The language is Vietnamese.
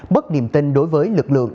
bất niềm tin đối với lực lượng